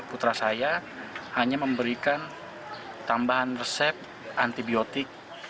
putra saya hanya memberikan tambahan resep antibiotik